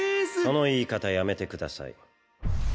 その言い方やめてください。